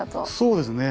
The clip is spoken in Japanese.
そうですね。